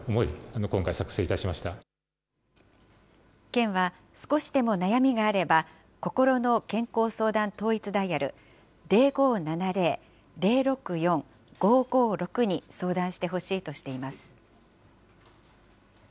県は、少しでも悩みがあれば、こころの健康相談統一ダイヤル、０５７０ー０６４ー５５６に相談してほしいとしています。